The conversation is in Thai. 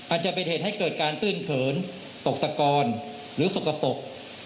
อาจจะเป็นเหตุให้เกิดการตื้นเขินตกตะกอนหรือสกปรก